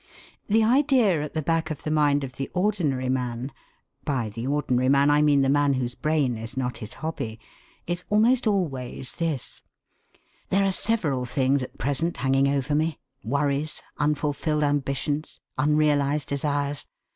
The idea at the back of the mind of the ordinary man (by the ordinary man I mean the man whose brain is not his hobby) is almost always this: 'There are several things at present hanging over me worries, unfulfilled ambitions, unrealised desires.